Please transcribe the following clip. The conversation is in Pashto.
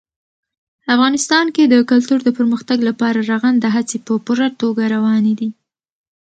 افغانستان کې د کلتور د پرمختګ لپاره رغنده هڅې په پوره توګه روانې دي.